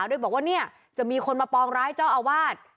ก็เลยบอกว่าจะมีคนมาปองร้ายเจ้าอาวาส